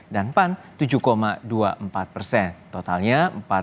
dan pan tujuh dua puluh empat totalnya empat puluh tiga delapan belas